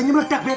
hpnya meledak beb